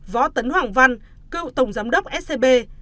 võ tấn hoàng văn cựu tổng giám đốc scb